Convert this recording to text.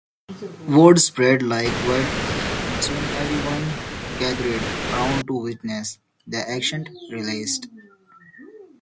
Word spread like wildfire, and soon everyone gathered around to witness the ancient relic.